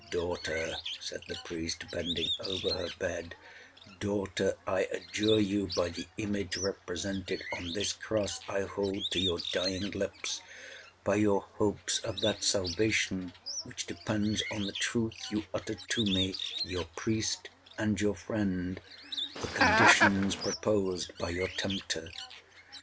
'Daughter,' said the priest, bending over her bed, 'daughter, I adjure you, by the image represented on this cross I hold to your dying lips—by your hopes of that salvation which depends on the truth you utter to me, your priest and your friend—the conditions proposed by your tempter!'